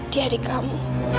dia di kamu